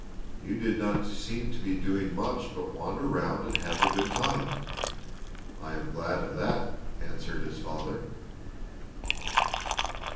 "You did not seem to be doing much but wander round and have a good time." "I am glad of that," answered his father.